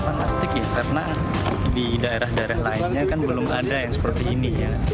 fantastik ya karena di daerah daerah lainnya kan belum ada yang seperti ini ya